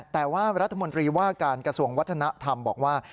แต่ว่ารัฐมนตรีว่าการกระทรวงวัฒนธรรมบอกว่า